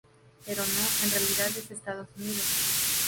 Pero no, en realidad es Estados Unidos.